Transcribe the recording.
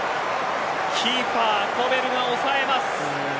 キーパー、コベルが押さえます。